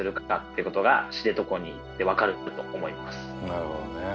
「なるほどね」